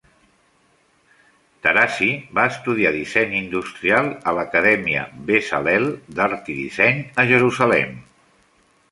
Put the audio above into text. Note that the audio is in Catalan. Tarazi va estudiar disseny industrial a l'Acadèmia Bezalel d'Art i Disseny a Jerusalem.